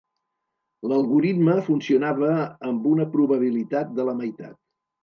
L'algoritme funcionava amb una probabilitat de la meitat.